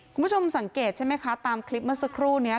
คุณผู้ชมสังเกตใช่ไหมคะตามคลิปเมื่อสักครู่นี้